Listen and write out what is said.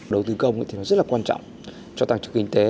đầu tư công thì rất là quan trọng cho tăng trực kinh tế